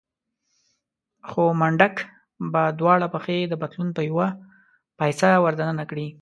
خو منډک به دواړه پښې د پتلون په يوه پایڅه ور دننه کړې.